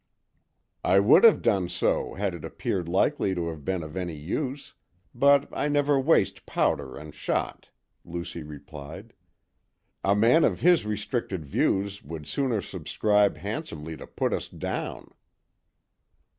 "I would have done so had it appeared likely to have been of any use, but I never waste powder and shot," Lucy replied. "A man of his restricted views would sooner subscribe handsomely to put us down."